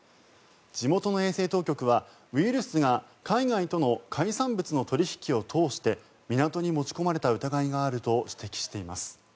地元の衛生当局はウイルスが海外との海産物との取引を通して港に持ち込まれた疑いがあると指摘しています。